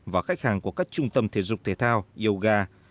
và khách hàng của các trung tâm thể dục thể thao yoga